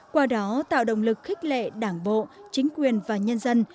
qua đó tạo động lực khích lệ đảng bộ chính quyền và nhân dân